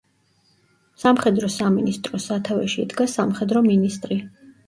სამხედრო სამინისტროს სათავეში იდგა სამხედრო მინისტრი.